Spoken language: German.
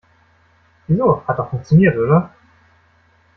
Wieso, hat doch funktioniert, oder?